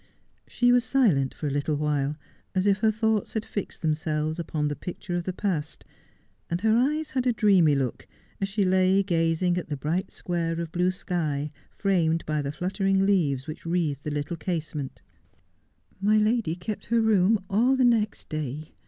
She was silent for a little while, as if her thoughts had fixed themselves upon the picture of the past, and her eyes had a dreamy look, as she lay gazing at the bright square of blue sky framed by the fluttering leaves which wreathed the little casement. 278 Just as I Am. ' My lady kept her room all the next day.